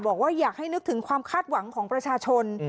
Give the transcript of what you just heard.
บอกว่าอยากให้นึกถึงความคาดหวังของประชาชน